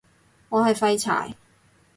我係廢柴